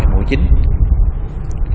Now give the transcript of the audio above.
ba mũi chính